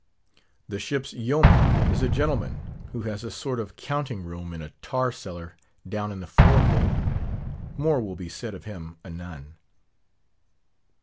The ship's yeoman is a gentleman who has a sort of counting room in a tar cellar down in the fore hold. More will be said of him anon.